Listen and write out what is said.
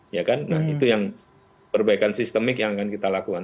nah itu yang perbaikan sistemik yang akan kita lakukan